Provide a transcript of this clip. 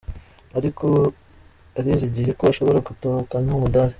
Ariko arizigiye ko ashobora gutahukana umudali.